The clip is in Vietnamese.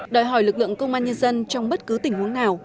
đòi hỏi lực lượng công an nhân dân trong bất cứ tình huống nào